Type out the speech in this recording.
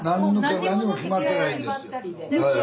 何にも決まってないんです。